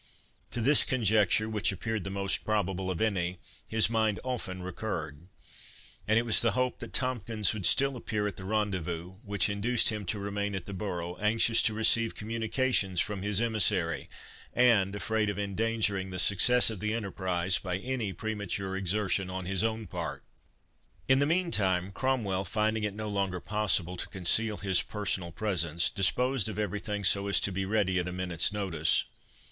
To this conjecture, which appeared the most probable of any, his mind often recurred; and it was the hope that Tomkins would still appear at the rendezvous, which induced him to remain at the borough, anxious to receive communication from his emissary, and afraid of endangering the success of the enterprise by any premature exertion on his own part. In the meantime, Cromwell, finding it no longer possible to conceal his personal presence, disposed of every thing so as to be ready at a minute's notice.